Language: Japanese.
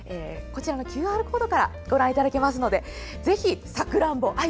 ＱＲコードからご覧いただけますのでぜひ、さくらんぼ、アユ。